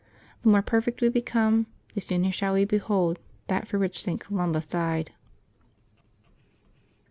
The more perfect we become, the sooner shall we behold that for which St. Columba sighed.